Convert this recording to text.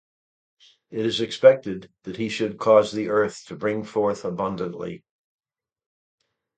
It is expected that he should cause the earth to bring forth abundantly.